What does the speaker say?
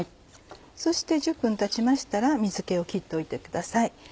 そして１０分たちましたら水気を切っておいてください。